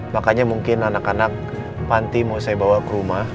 makanya mungkin anak anak panti mau saya bawa ke rumah